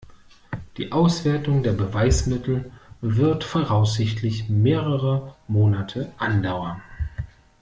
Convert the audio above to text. Die Auswertung der Beweismittel wird voraussichtlich mehrere Monate andauern.